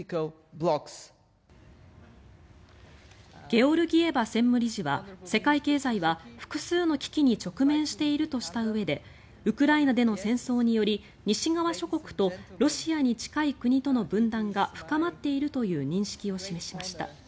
ゲオルギエバ専務理事は世界経済は複数の危機に直面しているとしたうえでウクライナでの戦争により西側諸国とロシアに近い国との分断が深まっているという認識を示しました。